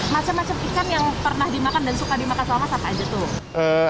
macem macem ikan yang pernah dimakan dan suka dimakan selama lamanya apa aja tuh